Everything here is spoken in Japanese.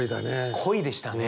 恋でしたね。